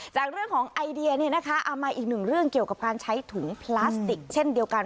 จากเรื่องของไอเดียเอามาอีกหนึ่งเรื่องเกี่ยวกับการใช้ถุงพลาสติกเช่นเดียวกัน